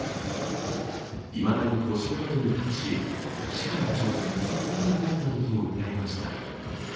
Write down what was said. いまだに補償などに関し、市から直接説明がないなどと訴えました。